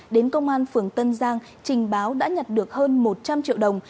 đến công an phường tân giang trình báo đã nhặt được hơn một trăm linh triệu đồng